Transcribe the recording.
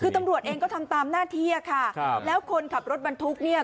คือตำรวจเองก็ทำตามหน้าที่ค่ะครับแล้วคนขับรถบรรทุกเนี่ย